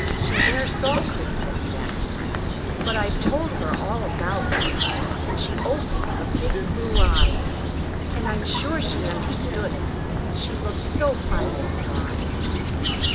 She ne'er saw Christmas yet; But I've told her all about it, And she opened her big blue eyes, And I'm sure she understood it She looked so funny and wise.